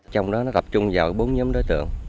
trong đó nó tập trung vào bốn nhóm đối tượng